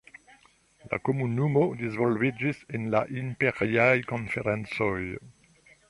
La Komunumo disvolviĝis el la Imperiaj Konferencoj.